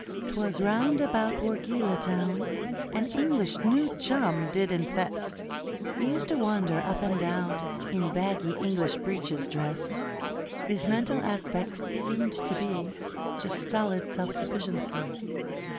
'Twas round about Wargeilah town An English new chum did infest: He used to wander up and down In baggy English breeches drest His mental aspect seemed to be Just stolid self sufficiency.